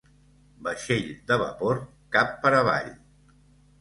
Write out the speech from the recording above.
Vaixell de vapor cap per avall.